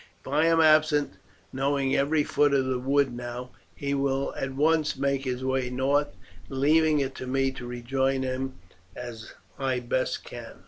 If I am absent, knowing every foot of the wood now, he will at once make his way north, leaving it to me to rejoin him as I best can."